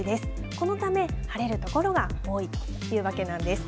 このため晴れる所が多いというわけなんです。